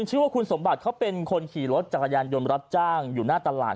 ชื่อว่าคุณสมบัติเขาเป็นคนขี่รถจักรยานยนต์รับจ้างอยู่หน้าตลาด